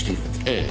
ええ。